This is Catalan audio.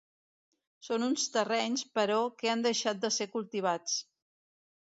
Són uns terrenys, però, que han deixat de ser cultivats.